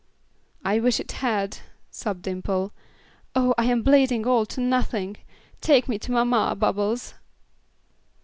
"I wish it had," sobbed Dimple. "Oh, I am bleeding all to nothing! Take me to mamma, Bubbles!"